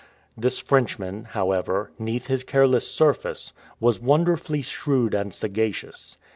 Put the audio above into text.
This Frenchman, however, neath his careless surface, was wonderfully shrewd and sagacious.